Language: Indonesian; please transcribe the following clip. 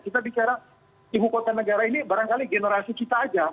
kita bicara ibu kota negara ini barangkali generasi kita aja